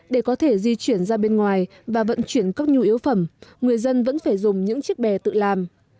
để có thể di chuyển ra bên ngoài và vận chuyển các nhu yếu phẩm người dân vẫn phải dùng những chiếc bè tự làm